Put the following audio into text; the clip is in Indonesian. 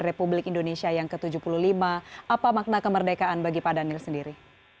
republik indonesia yang ke tujuh puluh lima apa makna kemerdekaan bagi pak daniel sendiri